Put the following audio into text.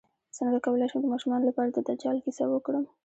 څنګه کولی شم د ماشومانو لپاره د دجال کیسه وکړم